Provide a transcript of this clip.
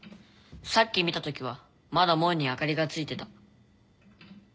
さっき見たときはまだ門に明かりがついてた。